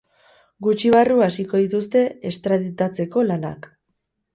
Gutxi barru hasiko dituzte estraditatzeko lanak.